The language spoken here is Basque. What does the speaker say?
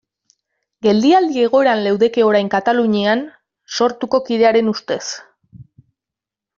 Geldialdi egoeran leudeke orain Katalunian Sortuko kidearen ustez.